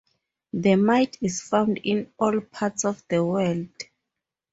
The mite is found in all parts of the world.